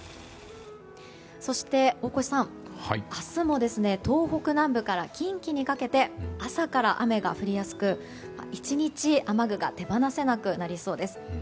そして、大越さん明日も東北南部から近畿にかけて朝から雨が降りやすく一日、雨具が手放せなくなりそうです。